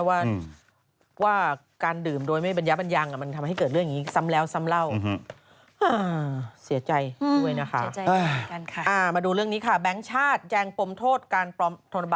เขาไม่รู้หรอกว่าเขาไม่ควรจะขับ